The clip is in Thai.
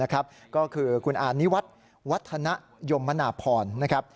ก็คือคุณอานิวัฒน์วัฒนโยมนาพร